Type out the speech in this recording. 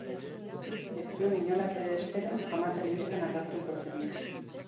Ez zuen inolaz ere espero ama telebistan agertuko zenik.